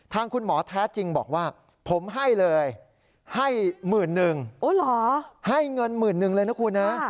ทางคุณหมอแท้จริงบอกว่าผมให้เลยให้หมื่นหนึ่งให้เงินหมื่นหนึ่งเลยนะคุณนะ